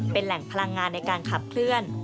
เป็นแหล่งพลังงานในการขับเคลื่อน